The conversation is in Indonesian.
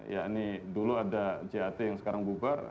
yaitu dulu ada cat sekarang yang bubar